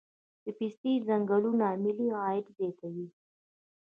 د پستې ځنګلونه ملي عاید زیاتوي.